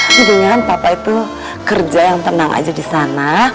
mendingan papa itu kerja yang tenang aja disana